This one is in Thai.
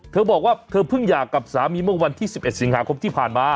เธอบอกว่าเธอเพิ่งหย่ากับสามีเมื่อวันที่๑๑สิงหาคมที่ผ่านมา